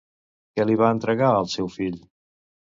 Què li va entregar al seu fill?